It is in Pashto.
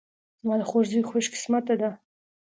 زما د خور زوی خوش قسمته ده